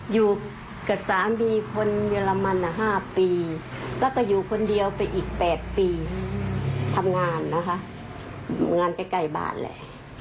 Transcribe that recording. อยู่กับสามีคนเยอรมัน๕ปีแล้วก็อยู่คนเดียวไปอีก๘ปีทำงานนะคะงานไปไกลบ้านแหละ